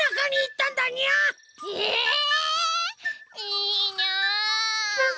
いいにゃあ！